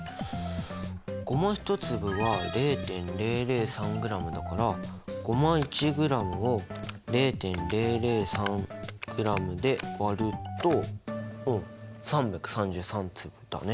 ゴマ１粒は０．００３ｇだからゴマ１ｇを０．００３ｇで割るとうん３３３粒だね。